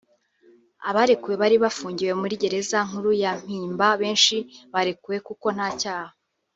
Abarekuwe bari bafungiwe muri gereza nkuru ya Mpimba benshi barekuwe kuko nta cyaha